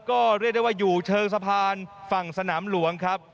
ก็เรียกได้ว่าอยู่เชิงสะพานฝั่งสนามหลวงครับ